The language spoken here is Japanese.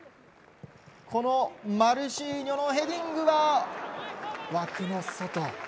マルシーニョのヘディングは枠の外。